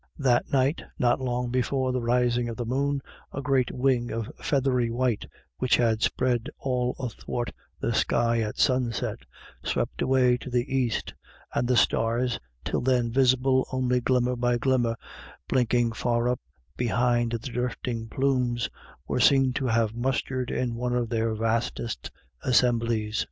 That night, not long before the rising of the moon, a great wing of feathery white, which had spread all athwart the sky at sunset, swept away to the east, and the stars, till then visible only glimmer by glimmer, blinking far up behind the drifting plumes, were seen to have mustered in one of their vastest assemblies.